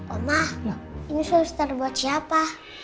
omah ini suster buat siapa